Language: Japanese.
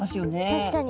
確かに。